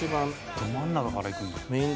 ど真ん中からいくんだ。